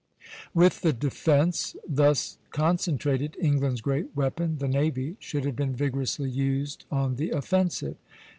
With the defence thus concentrated, England's great weapon, the navy, should have been vigorously used on the offensive.